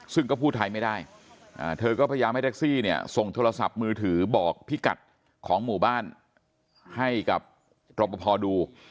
ซึ่งก็พูดไทยไม่ได้เธอก็พยายามให้แท็กซี่เนี่ยส่งโทรศัพท์มือถือบอกพิกัดของหมู่บ้านให้กับรอปภดู